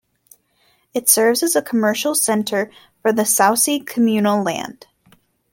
It serves as a commercial centre for the Soswe communal land.